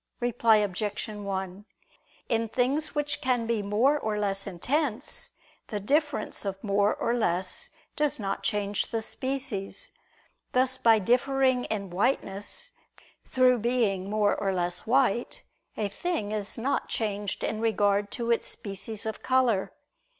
Reply Obj. 1: In things which can be more or less intense, the difference of more or less does not change the species: thus by differing in whiteness through being more or less white a thing is not changed in regard to its species of color.